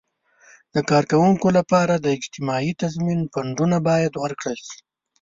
د کارکوونکو لپاره د اجتماعي تضمین فنډونه باید ورکړل شي.